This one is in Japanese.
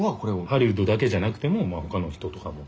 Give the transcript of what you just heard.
ハリウッドだけじゃなくてもまあほかの人とかも。